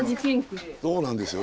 そうなんですよ